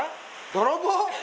泥棒？